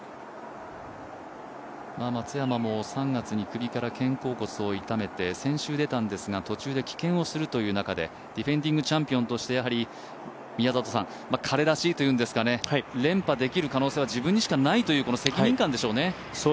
松山も３月に首から肩甲骨を傷めて先週出たんですが、途中で棄権をするという中で、ディフェンディングチャンピオンとして、彼らしいというんですかね連覇できる可能性は自分にしかないという責任感でしょうね。